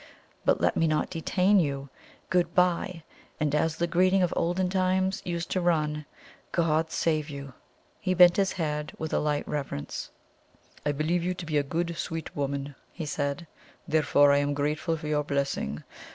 But let me not detain you. Good bye, and as the greeting of olden times used to run God save you!" He bent his head with a light reverence. "I believe you to be a good, sweet woman," he said, "therefore I am grateful for your blessing.